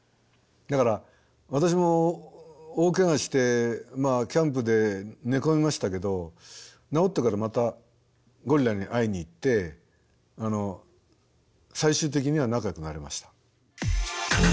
だから私も大ケガしてキャンプで寝込みましたけど治ってからまたゴリラに会いに行って最終的には仲よくなりました。